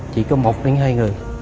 chỉ có một đến hai người